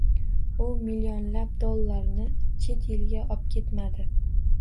U millionlab dollarni chet elga obketmadi.